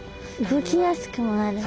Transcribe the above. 動きやすくもなるんだ。